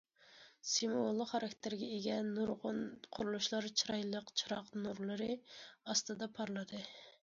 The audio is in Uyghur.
سىمۋوللۇق خاراكتېرگە ئىگە نۇرغۇن قۇرۇلۇشلار چىرايلىق چىراغ نۇرلىرى ئاستىدا پارلىدى.